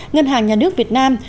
ngân hàng nhà nước việt nam